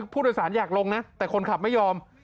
ผู้โดยสารอยากลงนะแต่คนขับไม่ยอม